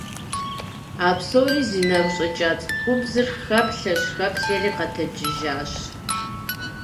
А псор зи нэгу щӀэкӀа цӀыхубзыр, хэплъэщ-хэплъэри, къэтэджыжащ.